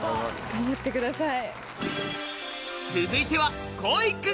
頑張ってください。